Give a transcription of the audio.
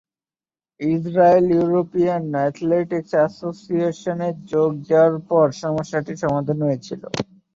Israel European athletics অ্যাসোসিয়েশনে যোগ দেওয়ার পর সমস্যাটির সমাধান হয়েছিল।